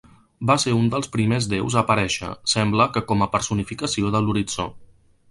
Va ser un dels primers déus a aparèixer, sembla que com a personificació de l'horitzó.